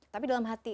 tapi dalam hati